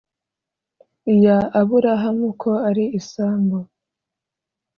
Iya aburahamu ko ari isambu